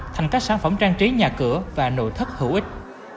thành các sản phẩm trang trí nhà cửa và nội thất hữu ích